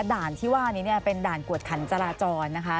ด่านที่ว่านี้เป็นด่านกวดขันจราจรนะคะ